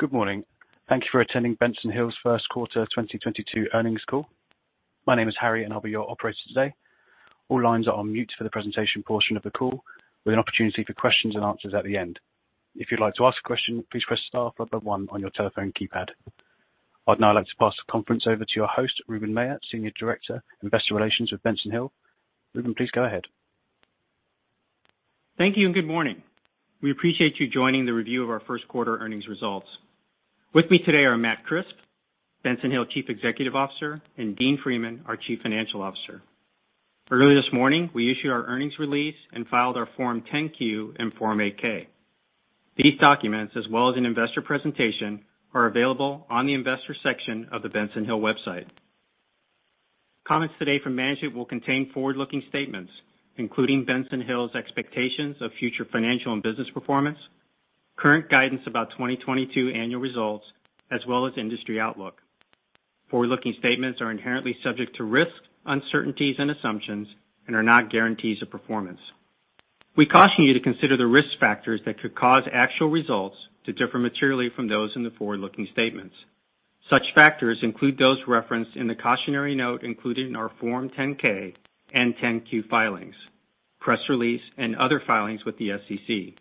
Good morning. Thank you for attending Benson Hill's Q1 2022 earnings call. My name is Harry, and I'll be your operator today. All lines are on mute for the presentation portion of the call, with an opportunity for questions and answers at the end. If you'd like to ask a question, please press star point one on your telephone keypad. I'd now like to pass the conference over to your host, Ruben Mella, Senior Director, Investor Relations with Benson Hill. Ruben, please go ahead. Thank you and good morning. We appreciate you joining the review of our Q1 earnings results. With me today are Matt Crisp, Benson Hill Chief Executive Officer, and Dean Freeman, our Chief Financial Officer. Earlier this morning, we issued our earnings release and filed our Form 10-Q and Form 8-K. These documents, as well as an investor presentation, are available on the investor section of the Benson Hill website. Comments today from management will contain forward-looking statements, including Benson Hill's expectations of future financial and business performance, current guidance about 2022 annual results, as well as industry outlook. Forward-looking statements are inherently subject to risks, uncertainties and assumptions and are not guarantees of performance. We caution you to consider the risk factors that could cause actual results to differ materially from those in the forward-looking statements. Such factors include those referenced in the cautionary note included in our Form 10-K and 10-Q filings, press release and other filings with the SEC.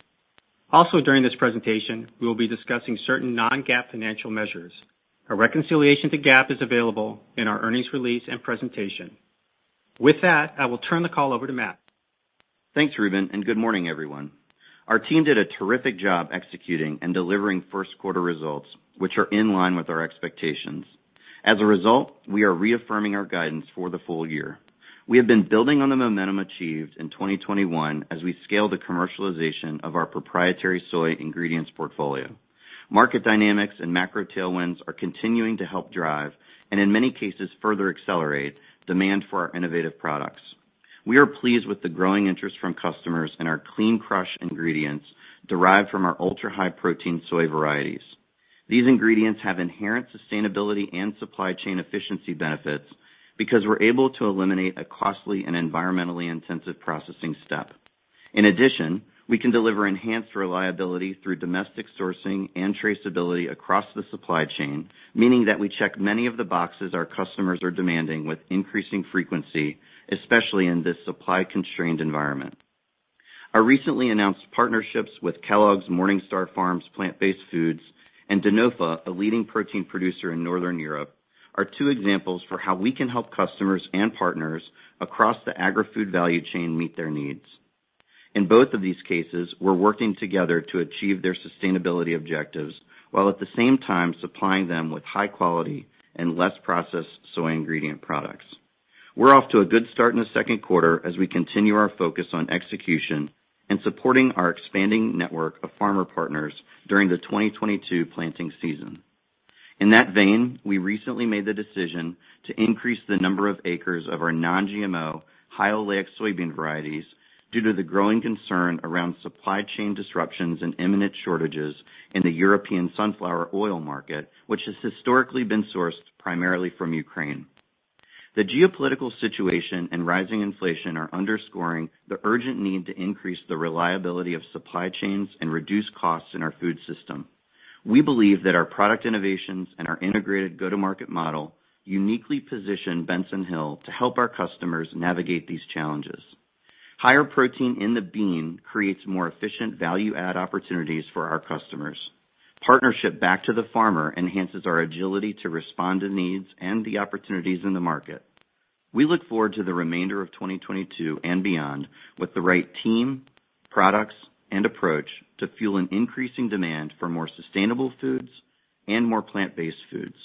Also, during this presentation, we will be discussing certain non-GAAP financial measures. A reconciliation to GAAP is available in our earnings release and presentation. With that, I will turn the call over to Matt. Thanks, Ruben, and good morning, everyone. Our team did a terrific job executing and delivering Q1 results, which are in line with our expectations. As a result, we are reaffirming our guidance for the full year. We have been building on the momentum achieved in 2021 as we scale the commercialization of our proprietary soy ingredients portfolio. Market dynamics and macro tailwinds are continuing to help drive and in many cases further accelerate demand for our innovative products. We are pleased with the growing interest from customers in our Clean Crush ingredients derived from our Ultra-High Protein soy varieties. These ingredients have inherent sustainability and supply chain efficiency benefits because we're able to eliminate a costly and environmentally intensive processing step. In addition, we can deliver enhanced reliability through domestic sourcing and traceability across the supply chain, meaning that we check many of the boxes our customers are demanding with increasing frequency, especially in this supply-constrained environment. Our recently announced partnerships with Kellogg's MorningStar Farms plant-based foods and Denofa, a leading protein producer in Northern Europe, are two examples for how we can help customers and partners across the agri-food value chain meet their needs. In both of these cases, we're working together to achieve their sustainability objectives, while at the same time supplying them with high quality and less processed soy ingredient products. We're off to a good start in the Q2 as we continue our focus on execution and supporting our expanding network of farmer partners during the 2022 planting season. In that vein, we recently made the decision to increase the number of acres of our non-GMO high oleic soybean varieties due to the growing concern around supply chain disruptions and imminent shortages in the European sunflower oil market, which has historically been sourced primarily from Ukraine. The geopolitical situation and rising inflation are underscoring the urgent need to increase the reliability of supply chains and reduce costs in our food system. We believe that our product innovations and our integrated go-to-market model uniquely position Benson Hill to help our customers navigate these challenges. Higher protein in the bean creates more efficient value add opportunities for our customers. Partnership back to the farmer enhances our agility to respond to needs and the opportunities in the market. We look forward to the remainder of 2022 and beyond with the right team, products, and approach to fuel an increasing demand for more sustainable foods and more plant-based foods.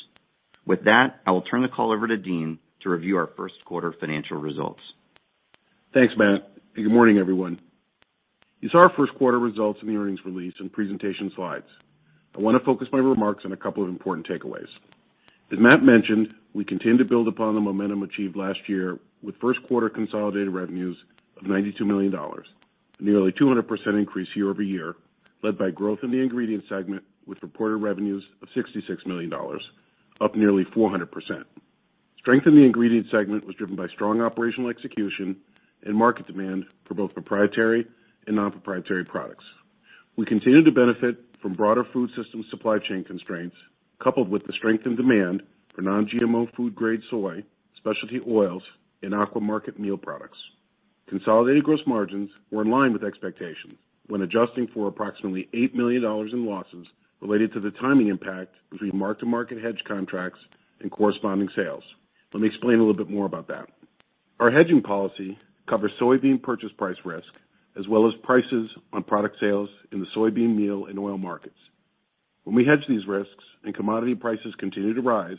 With that, I will turn the call over to Dean to review our Q1 financial results. Thanks, Matt, and good morning, everyone. You saw our Q1 results in the earnings release and presentation slides. I wanna focus my remarks on a couple of important takeaways. As Matt mentioned, we continue to build upon the momentum achieved last year with Q1 consolidated revenues of $92 million, nearly 200% increase year-over-year, led by growth in the ingredients segment with reported revenues of $66 million, up nearly 400%. Strength in the ingredients segment was driven by strong operational execution and market demand for both proprietary and non-proprietary products. We continue to benefit from broader food systems supply chain constraints, coupled with the strength and demand for non-GMO food grade soy, specialty oils, and aquaculture meal products. Consolidated gross margins were in line with expectations when adjusting for approximately $8 million in losses related to the timing impact between mark-to-market hedge contracts and corresponding sales. Let me explain a little bit more about that. Our hedging policy covers soybean purchase price risk, as well as prices on product sales in the soybean meal and oil markets. When we hedge these risks and commodity prices continue to rise,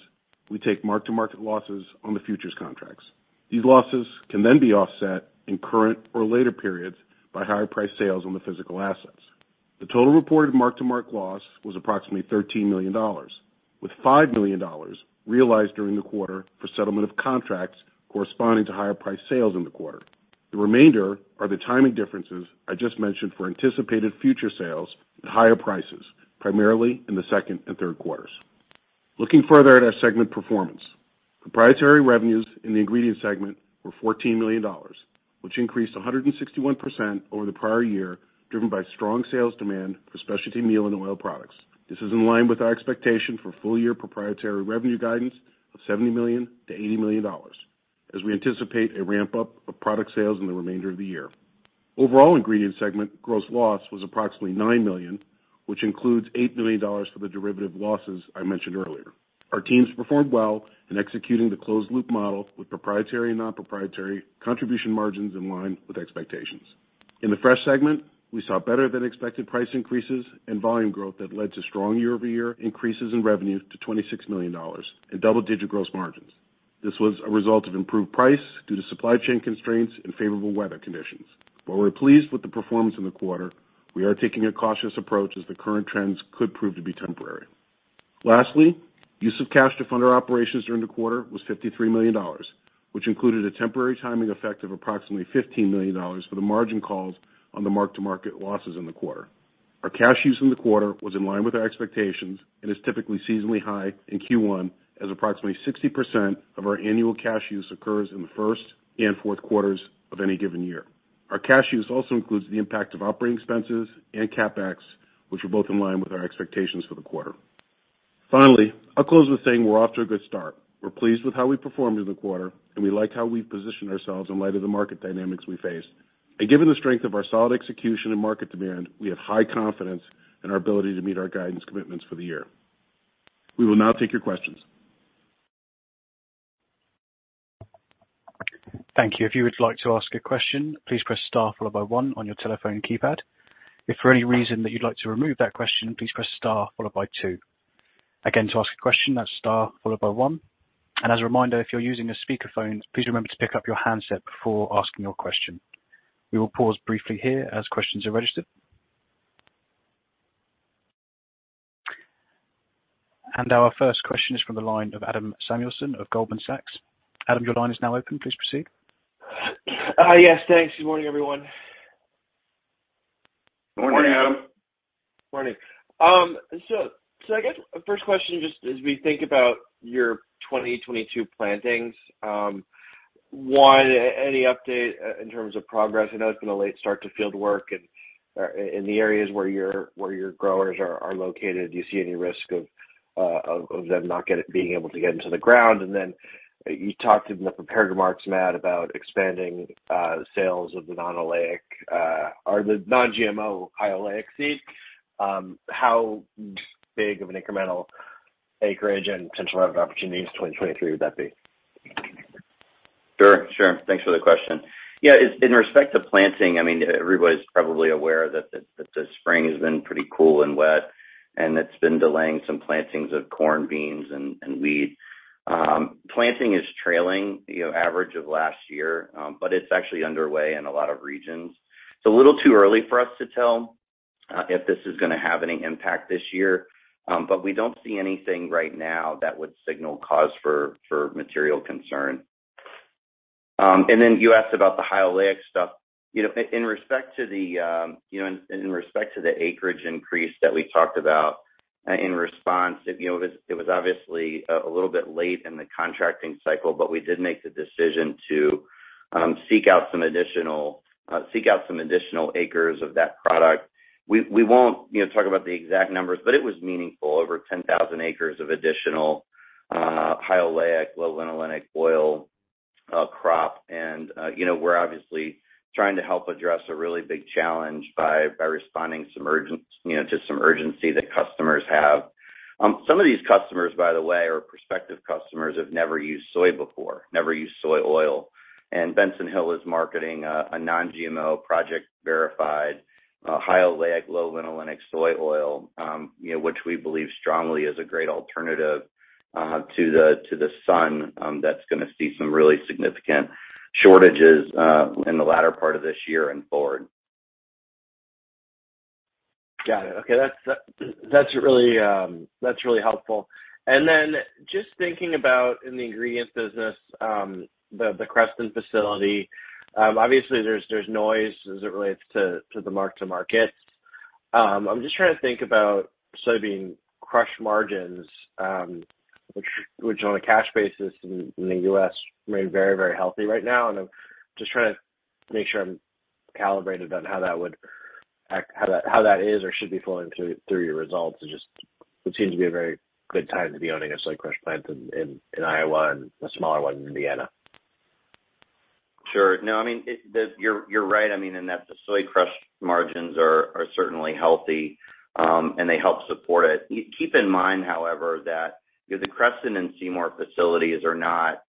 we take mark-to-market losses on the futures contracts. These losses can then be offset in current or later periods by higher price sales on the physical assets. The total reported mark-to-market loss was approximately $13 million, with $5 million realized during the quarter for settlement of contracts corresponding to higher price sales in the quarter. The remainder are the timing differences I just mentioned for anticipated future sales at higher prices, primarily in the Q2 and Q3. Looking further at our segment performance. Proprietary revenues in the ingredients segment were $14 million, which increased 161% over the prior year, driven by strong sales demand for specialty meal and oil products. This is in line with our expectation for full-year proprietary revenue guidance of $70 million-$80 million as we anticipate a ramp-up of product sales in the remainder of the year. Overall ingredient segment gross loss was approximately $9 million, which includes $8 million for the derivative losses I mentioned earlier. Our teams performed well in executing the closed loop model with proprietary and non-proprietary contribution margins in line with expectations. In the fresh segment, we saw better than expected price increases and volume growth that led to strong year-over-year increases in revenue to $26 million and double-digit gross margins. This was a result of improved price due to supply chain constraints and favorable weather conditions. While we're pleased with the performance in the quarter, we are taking a cautious approach as the current trends could prove to be temporary. Lastly, use of cash to fund our operations during the quarter was $53 million, which included a temporary timing effect of approximately $15 million for the margin calls on the mark-to-market losses in the quarter. Our cash use in the quarter was in line with our expectations and is typically seasonally high in Q1 as approximately 60% of our annual cash use occurs in the Q1 and Q4 of any given year. Our cash use also includes the impact of operating expenses and CapEx, which were both in line with our expectations for the quarter. Finally, I'll close with saying we're off to a good start. We're pleased with how we performed in the quarter, and we like how we've positioned ourselves in light of the market dynamics we face. Given the strength of our solid execution and market demand, we have high confidence in our ability to meet our guidance commitments for the year. We will now take your questions. Thank you. If you would like to ask a question, please press star followed by one on your telephone keypad. If for any reason that you'd like to remove that question, please press star followed by two. Again, to ask a question, that's star followed by one. As a reminder, if you're using a speakerphone, please remember to pick up your handset before asking your question. We will pause briefly here as questions are registered. Our first question is from the line of Adam Samuelson of Goldman Sachs. Adam, your line is now open. Please proceed. Yes, thanks. Good morning, everyone. Good morning, Adam. Morning. I guess first question, just as we think about your 2022 plantings, one, any update in terms of progress? I know it's been a late start to field work and in the areas where your growers are located, do you see any risk of them not being able to get into the ground? Then you talked in the prepared remarks, Matt, about expanding sales of the non-oleic or the non-GMO high oleic seed. How big of an incremental acreage and potential revenue opportunities in 2023 would that be? Sure. Thanks for the question. Yeah. In respect to planting, I mean, everybody's probably aware that the spring has been pretty cool and wet, and it's been delaying some plantings of corn, beans and wheat. Planting is trailing, you know, average of last year, but it's actually underway in a lot of regions. It's a little too early for us to tell if this is gonna have any impact this year. We don't see anything right now that would signal cause for material concern. Then you asked about the high oleic stuff. You know, in respect to the acreage increase that we talked about, in response, you know, it was obviously a little bit late in the contracting cycle, but we did make the decision to seek out some additional acres of that product. We won't, you know, talk about the exact numbers, but it was meaningful. Over 10,000 acres of additional high oleic, low linolenic oil crop. You know, we're obviously trying to help address a really big challenge by responding to some urgency that customers have. Some of these customers, by the way, or prospective customers have never used soy before, never used soy oil. Benson Hill is marketing a non-GMO Project Verified high oleic low linolenic soy oil, you know, which we believe strongly is a great alternative to the sunflower that's gonna see some really significant shortages in the latter part of this year and forward. Got it. Okay. That's really helpful. Just thinking about in the ingredients business, the Creston facility, obviously there's noise as it relates to the mark-to-market. I'm just trying to think about soybean crush margins, which on a cash basis in the U.S. remain very healthy right now. I'm just trying to make sure I'm calibrated on how that is or should be flowing through your results. It just seems to be a very good time to be owning a soy crush plant in Iowa and a smaller one in Indiana. Sure. No, I mean, you're right. I mean, in that the soy crush margins are certainly healthy, and they help support it. Keep in mind, however, that, you know, the Creston and Seymour facilities are not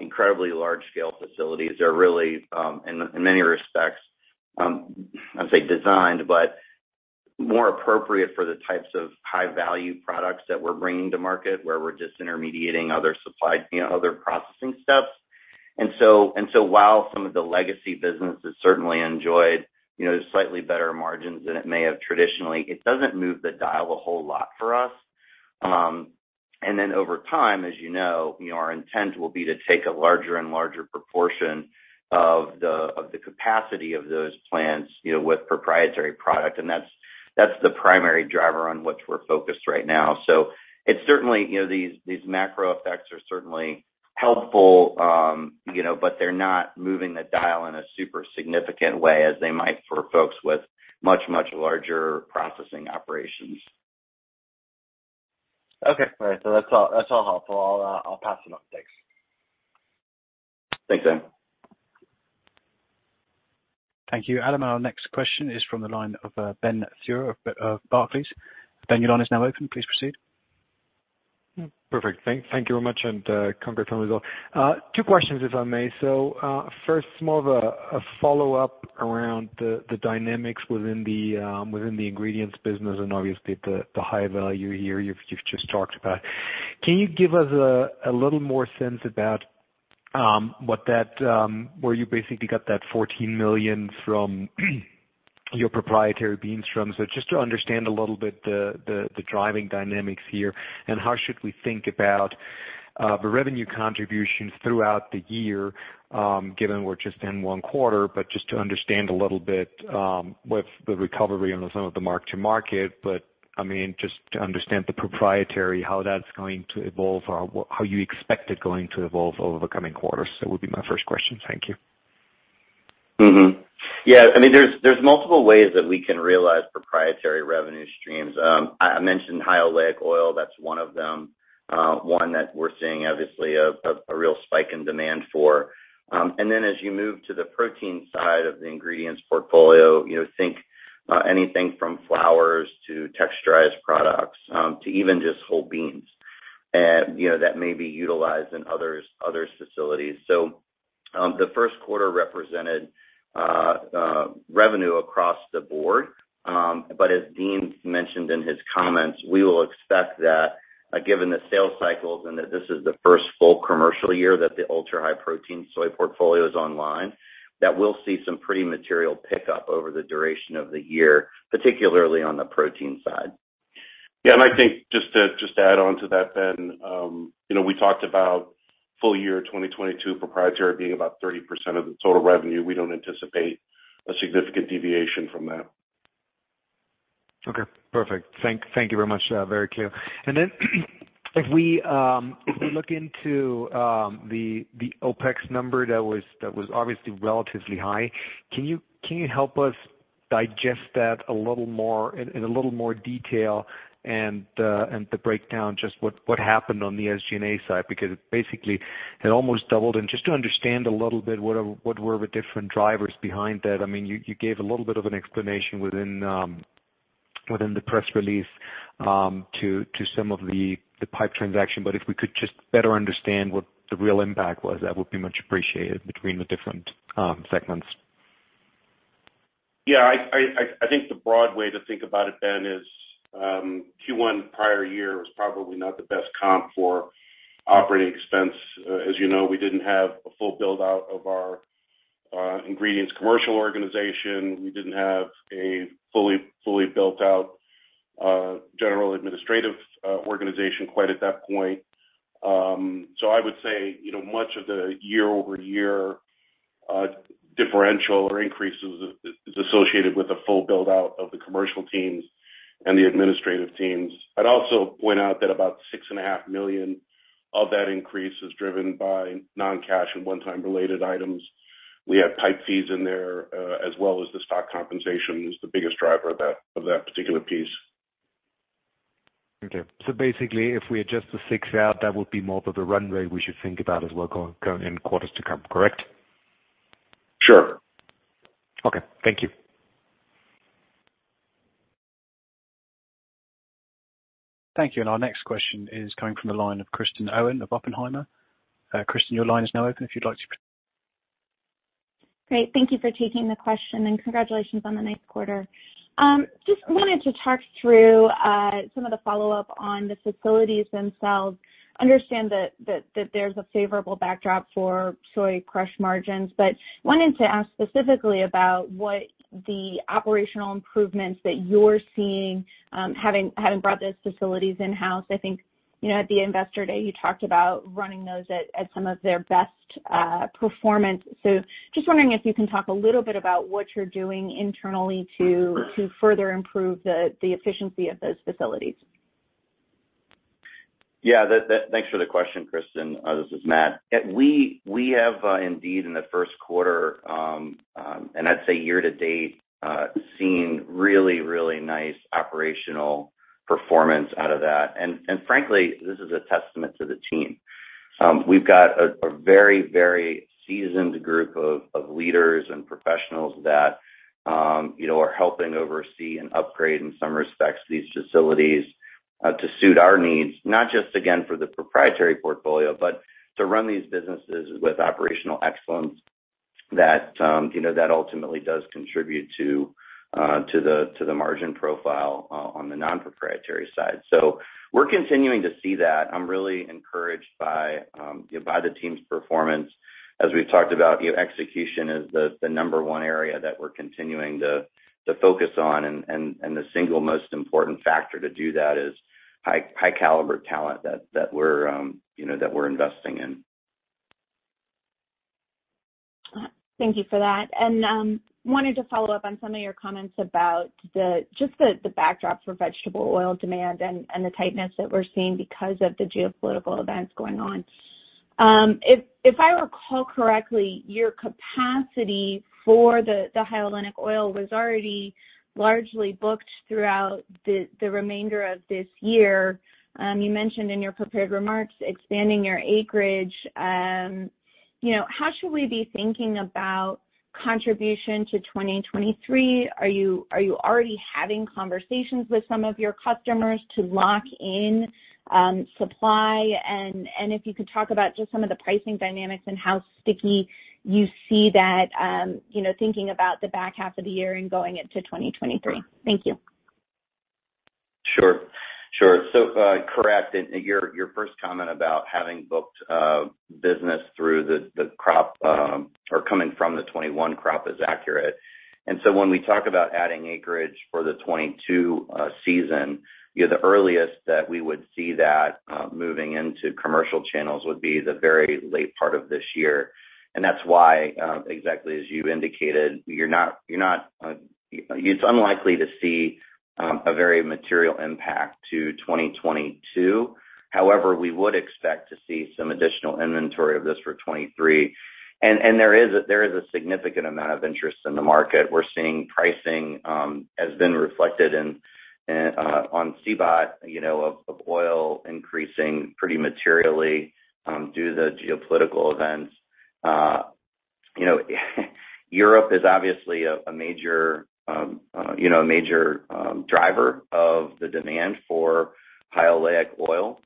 incredibly large scale facilities. They're really in many respects, I'd say designed, but more appropriate for the types of high value products that we're bringing to market where we're disintermediating other supply, you know, other processing steps. While some of the legacy business has certainly enjoyed, you know, slightly better margins than it may have traditionally, it doesn't move the dial a whole lot for us. Over time, as you know, our intent will be to take a larger and larger proportion of the capacity of those plants, you know, with proprietary product. That's the primary driver on which we're focused right now. It's certainly, you know, these macro effects are certainly helpful, you know, but they're not moving the dial in a super significant way as they might for folks with much, much larger processing operations. Okay. All right. That's all helpful. I'll pass it on. Thanks. Thanks, Adam. Thank you, Adam. Our next question is from the line of Ben Theurer of Barclays. Ben, your line is now open. Please proceed. Perfect. Thank you very much, and congrats on the result. Two questions if I may. First more of a follow-up around the dynamics within the ingredients business and obviously the high value here you've just talked about. Can you give us a little more sense about where you basically got that $14 million from your proprietary bean stream? Just to understand a little bit the driving dynamics here, and how should we think about the revenue contributions throughout the year, given we're just in one quarter. Just to understand a little bit with the recovery on some of the mark-to-market. I mean, just to understand the proprietary, how that's going to evolve or how you expect it going to evolve over the coming quarters. That would be my first question. Thank you. Yeah, I mean, there's multiple ways that we can realize proprietary revenue streams. I mentioned high oleic oil, that's one of them, one that we're seeing obviously a real spike in demand for. As you move to the protein side of the ingredients portfolio, you know, think anything from flours to texturized products, to even just whole beans. You know, that may be utilized in others' facilities. The Q1 represented revenue across the board. As Dean mentioned in his comments, we will expect that, given the sales cycles and that this is the first full commercial year that the Ultra-High Protein soy portfolio is online, that we'll see some pretty material pickup over the duration of the year, particularly on the protein side. Yeah, I think just to add on to that, Ben, you know, we talked about full year 2022 proprietary being about 30% of the total revenue. We don't anticipate a significant deviation from that. Okay. Perfect. Thank you very much. Very clear. If we look into the OpEx number that was obviously relatively high, can you help us digest that a little more in a little more detail and the breakdown just what happened on the SG&A side? Because basically it almost doubled. Just to understand a little bit what were the different drivers behind that. I mean, you gave a little bit of an explanation within the press release to some of the PIPE transaction. If we could just better understand what the real impact was, that would be much appreciated between the different segments. Yeah. I think the broad way to think about it, Ben, is Q1 prior year was probably not the best comp for operating expense. As you know, we didn't have a full build out of our ingredients commercial organization. We didn't have a fully built out general administrative organization quite at that point. So I would say, you know, much of the year-over-year differential or increases is associated with the full build out of the commercial teams and the administrative teams. I'd also point out that about $6.5 million of that increase is driven by non-cash and one-time related items. We have PIPE fees in there, as well as the stock compensation was the biggest driver of that particular piece. Okay. Basically if we adjust the six out, that would be more of the runway we should think about as well going in quarters to come. Correct? Sure. Okay. Thank you. Thank you. Our next question is coming from the line of Kristen Owen of Oppenheimer. Kristen, your line is now open if you'd like to proceed. Great, thank you for taking the question and congratulations on the nice quarter. Just wanted to talk through some of the follow up on the facilities themselves. Understand that there's a favorable backdrop for soy crush margins. Wanted to ask specifically about what the operational improvements that you're seeing, having brought those facilities in house. I think, you know, at the Investor Day, you talked about running those at some of their best performance. So just wondering if you can talk a little bit about what you're doing internally to further improve the efficiency of those facilities. Thanks for the question, Kristen. This is Matt. We have indeed in the Q1 and I'd say year to date seen really nice operational performance out of that. Frankly, this is a testament to the team. We've got a very seasoned group of leaders and professionals that, you know, are helping oversee and upgrade in some respects these facilities, to suit our needs, not just again for the proprietary portfolio, but to run these businesses with operational excellence that, you know, that ultimately does contribute to the margin profile on the non-proprietary side. We're continuing to see that. I'm really encouraged by, you know, by the team's performance. As we've talked about, you know, execution is the number one area that we're continuing to focus on. The single most important factor to do that is high caliber talent that we're, you know, that we're investing in. Thank you for that. Wanted to follow up on some of your comments about the backdrop for vegetable oil demand and the tightness that we're seeing because of the geopolitical events going on. If I recall correctly, your capacity for the high oleic oil was already largely booked throughout the remainder of this year. You mentioned in your prepared remarks expanding your acreage. You know, how should we be thinking about contribution to 2023? Are you already having conversations with some of your customers to lock in supply? If you could talk about just some of the pricing dynamics and how sticky you see that, you know, thinking about the back half of the year and going into 2023. Thank you. Sure. Your first comment about having booked business through the crop or coming from the 2021 crop is accurate. When we talk about adding acreage for the 2022 season, you know, the earliest that we would see that moving into commercial channels would be the very late part of this year. That's why, exactly as you indicated, it's unlikely to see a very material impact to 2022. However, we would expect to see some additional inventory of this for 2023. There is a significant amount of interest in the market. We're seeing pricing has been reflected on CBOT, you know, of oil increasing pretty materially due to the geopolitical events. You know, Europe is obviously a major driver of the demand for high oleic oil.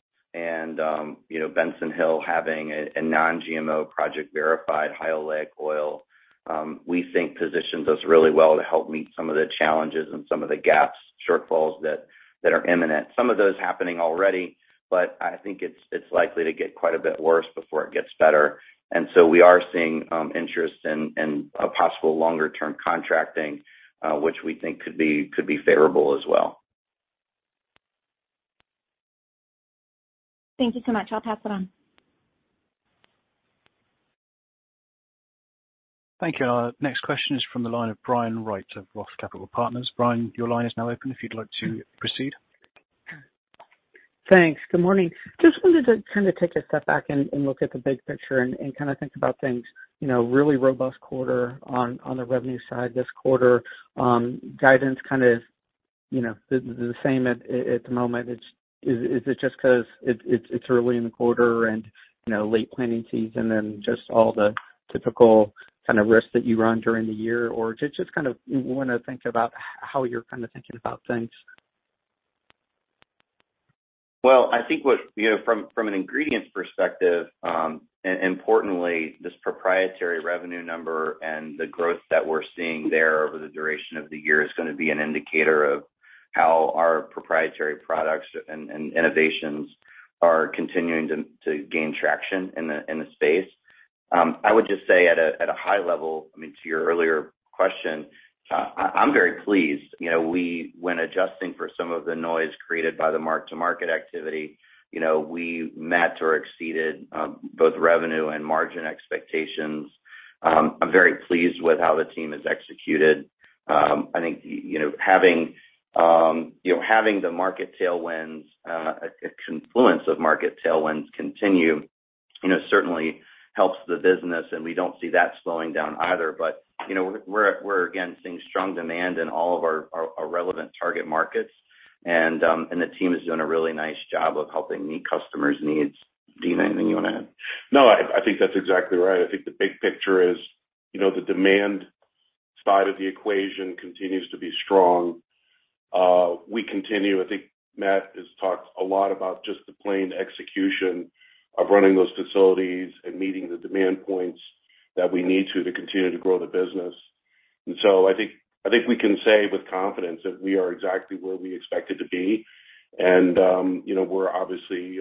Benson Hill having a Non-GMO Project Verified high oleic oil, we think positions us really well to help meet some of the challenges and some of the gaps, shortfalls that are imminent. Some of those happening already, but I think it's likely to get quite a bit worse before it gets better. We are seeing interest in a possible longer term contracting, which we think could be favorable as well. Thank you so much. I'll pass it on. Thank you. Our next question is from the line of Brian Wright of Roth Capital Partners. Brian, your line is now open if you'd like to proceed. Thanks. Good morning. Just wanted to kind of take a step back and look at the big picture and kind of think about things, you know, really robust quarter on the revenue side this quarter. Guidance kind of, you know, the same at the moment. Is it just 'cause it's early in the quarter and, you know, late planting season and just all the typical kind of risks that you run during the year? Or just kind of wanna think about how you're kind of thinking about things. Well, I think, you know, from an ingredients perspective, importantly, this proprietary revenue number and the growth that we're seeing there over the duration of the year is gonna be an indicator of how our proprietary products and innovations are continuing to gain traction in the space. I would just say at a high level, I mean, to your earlier question, I'm very pleased. You know, when adjusting for some of the noise created by the mark-to-market activity, you know, we met or exceeded both revenue and margin expectations. I'm very pleased with how the team has executed. I think, you know, having the market tailwinds, a confluence of market tailwinds continue, you know, certainly helps the business, and we don't see that slowing down either. You know, we're again seeing strong demand in all of our relevant target markets. The team is doing a really nice job of helping meet customers' needs. Dean, anything you wanna add? No, I think that's exactly right. I think the big picture is, you know, the demand side of the equation continues to be strong. We continue. I think Matt has talked a lot about just the plain execution of running those facilities and meeting the demand points that we need to continue to grow the business. I think we can say with confidence that we are exactly where we expected to be. You know, we're obviously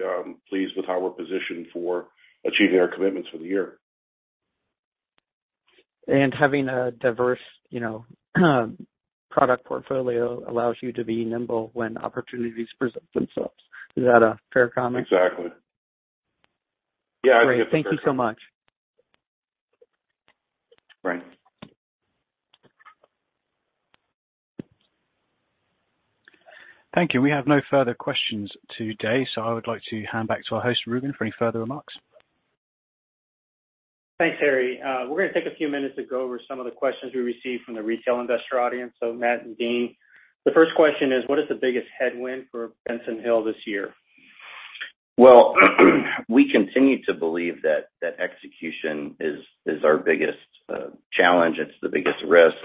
pleased with how we're positioned for achieving our commitments for the year. Having a diverse, you know, product portfolio allows you to be nimble when opportunities present themselves. Is that a fair comment? Exactly. Yeah, I think that's a fair. Great. Thank you so much. Brian. Thank you. We have no further questions today, so I would like to hand back to our host, Ruben, for any further remarks. Thanks, Harry. We're gonna take a few minutes to go over some of the questions we received from the retail investor audience. Matt and Dean, the first question is, what is the biggest headwind for Benson Hill this year? Well, we continue to believe that execution is our biggest challenge. It's the biggest risk.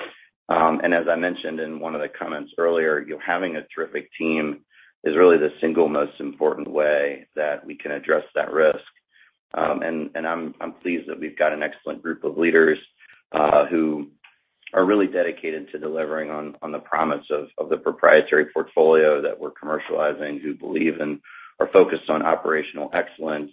As I mentioned in one of the comments earlier, you know, having a terrific team is really the single most important way that we can address that risk. I'm pleased that we've got an excellent group of leaders who are really dedicated to delivering on the promise of the proprietary portfolio that we're commercializing, who believe and are focused on operational excellence,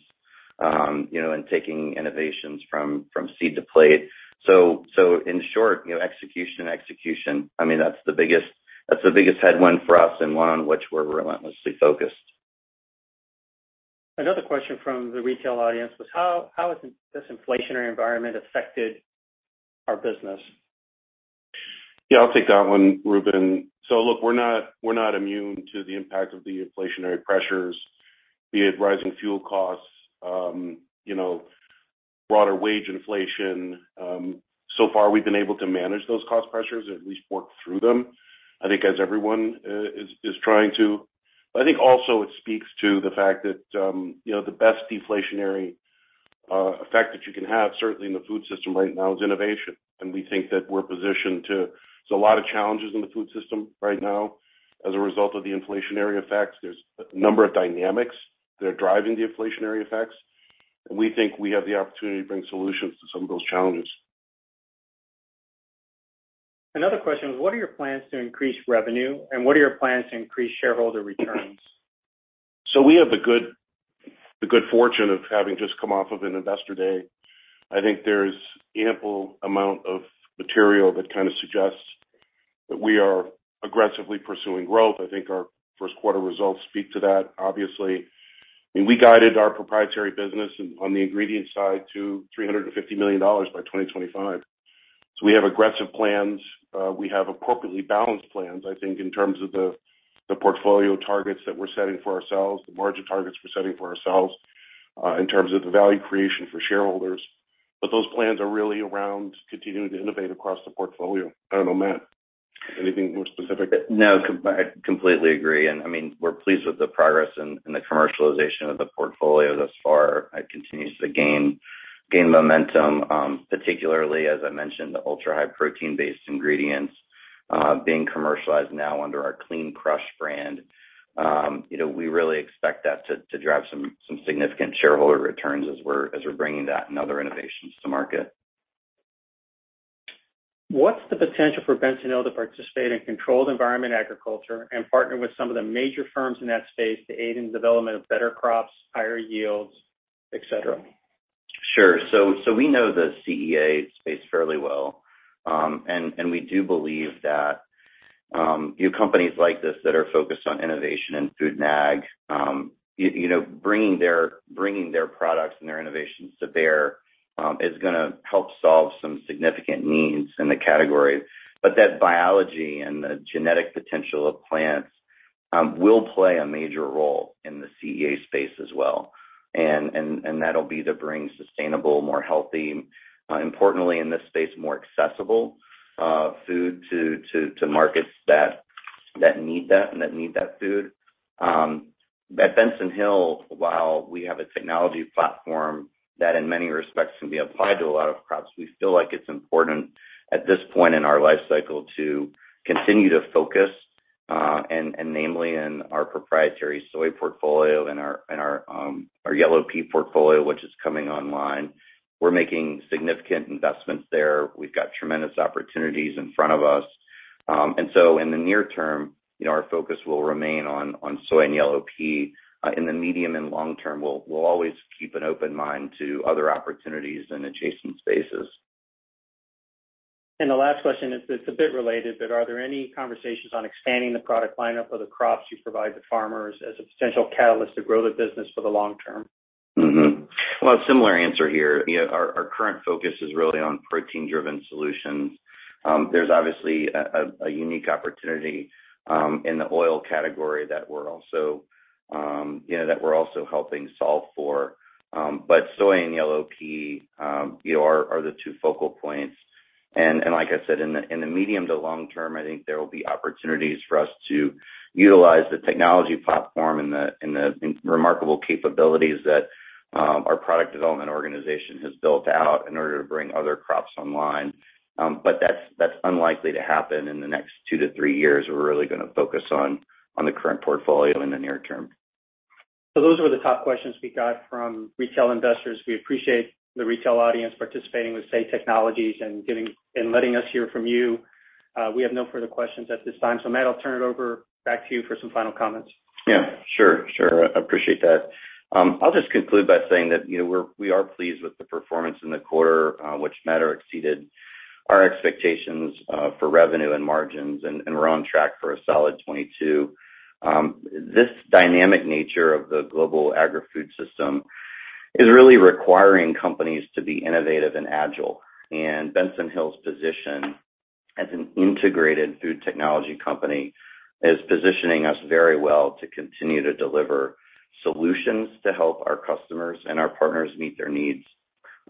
you know, and taking innovations from seed to plate. In short, you know, execution, I mean, that's the biggest headwind for us and one on which we're relentlessly focused. Another question from the retail audience was how has this inflationary environment affected our business? Yeah, I'll take that one, Ruben. Look, we're not immune to the impact of the inflationary pressures, be it rising fuel costs, you know, broader wage inflation. So far, we've been able to manage those cost pressures or at least work through them, I think as everyone is trying to. I think also it speaks to the fact that, you know, the best deflationary effect that you can have certainly in the food system right now is innovation. We think that we're positioned to a lot of challenges in the food system right now as a result of the inflationary effects. There's a number of dynamics that are driving the inflationary effects. We think we have the opportunity to bring solutions to some of those challenges. Another question was what are your plans to increase revenue, and what are your plans to increase shareholder returns? We have the good fortune of having just come off of an Investor Day. I think there's ample amount of material that kind of suggests that we are aggressively pursuing growth. I think our Q1 results speak to that obviously. I mean, we guided our proprietary business on the ingredient side to $350 million by 2025. We have aggressive plans. We have appropriately balanced plans, I think, in terms of the portfolio targets that we're setting for ourselves, the margin targets we're setting for ourselves, in terms of the value creation for shareholders. Those plans are really around continuing to innovate across the portfolio. I don't know, Matt, anything more specific? I completely agree. I mean, we're pleased with the progress in the commercialization of the portfolios thus far. It continues to gain momentum, particularly as I mentioned, the ultra-high protein-based ingredients being commercialized now under our Clean Crush brand. You know, we really expect that to drive some significant shareholder returns as we're bringing that and other innovations to market. What's the potential for Benson Hill to participate in controlled environment agriculture and partner with some of the major firms in that space to aid in development of better crops, higher yields, et cetera? Sure. We know the CEA space fairly well. We do believe that you know companies like this that are focused on innovation and food and ag you know bringing their products and their innovations to bear is gonna help solve some significant needs in the category. That biology and the genetic potential of plants will play a major role in the CEA space as well. That'll be to bring sustainable, more healthy, importantly in this space, more accessible food to markets that need that food. At Benson Hill, while we have a technology platform that in many respects can be applied to a lot of crops, we feel like it's important at this point in our life cycle to continue to focus, and namely in our proprietary soy portfolio and our yellow pea portfolio, which is coming online. We're making significant investments there. We've got tremendous opportunities in front of us. In the near term, you know, our focus will remain on soy and yellow pea. In the medium and long term, we'll always keep an open mind to other opportunities in adjacent spaces. The last question is, it's a bit related, but are there any conversations on expanding the product lineup or the crops you provide to farmers as a potential catalyst to grow the business for the long term? Well, similar answer here. You know, our current focus is really on protein-driven solutions. There's obviously a unique opportunity in the oil category that we're also helping solve for. Soy and yellow pea, you know, are the two focal points. Like I said, in the medium to long term, I think there will be opportunities for us to utilize the technology platform and the remarkable capabilities that our product development organization has built out in order to bring other crops online. That's unlikely to happen in the next two-three years. We're really gonna focus on the current portfolio in the near term. Those were the top questions we got from retail investors. We appreciate the retail audience participating with SAY Technologies and giving and letting us hear from you. We have no further questions at this time. Matt, I'll turn it over back to you for some final comments. Yeah, sure. Sure. I appreciate that. I'll just conclude by saying that, you know, we are pleased with the performance in the quarter, which met or exceeded our expectations, for revenue and margins. We're on track for a solid 2022. This dynamic nature of the global agri-food system is really requiring companies to be innovative and agile. Benson Hill's position as an integrated food technology company is positioning us very well to continue to deliver solutions to help our customers and our partners meet their needs.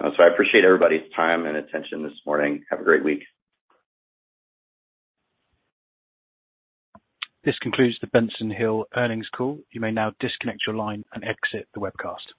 I appreciate everybody's time and attention this morning. Have a great week. This concludes the Benson Hill earnings call. You may now disconnect your line and exit the webcast.